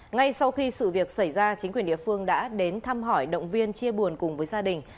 ngay sau khi sự việc xảy ra chính quyền địa phương đã đến thăm hỏi động viên chia buồn cùng với gia đình